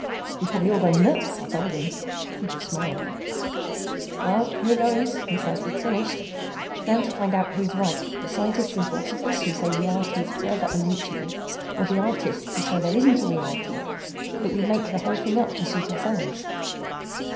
"We'd probably all go nuts!" I told him. He just smiled. "Well, here goes," he said. "It's finished. Now to find out who is right, the scientists and philosophers who say reality is forever unreachable, or the artists who say there isn't any reality that we make the whole thing up to suit ourselves."